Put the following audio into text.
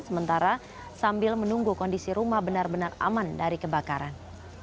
sementara sambil menunggu kondisi rumah benar benar aman dari kebakaran